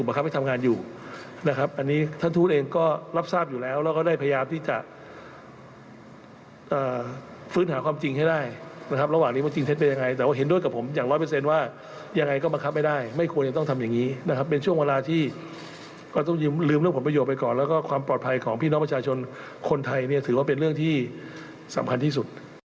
เป็นเรื่องที่สำคัญที่สุด